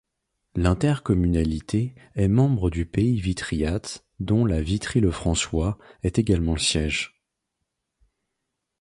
L'intercommunalité est membre du Pays Vitryat dont la Vitry-le-François est également le siège.